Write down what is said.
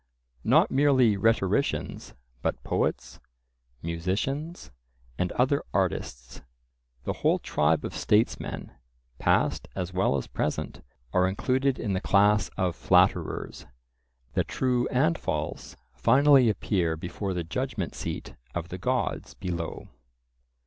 Not merely rhetoricians, but poets, musicians, and other artists, the whole tribe of statesmen, past as well as present, are included in the class of flatterers. The true and false finally appear before the judgment seat of the gods below.